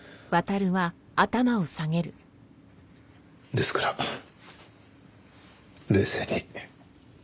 ですから冷静に。